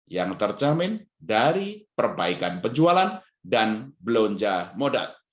yang terjamin dari perbaikan penjualan dan belanja modal